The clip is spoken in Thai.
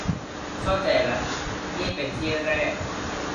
เข้าใจล่ะ นี่เป็นที่แรก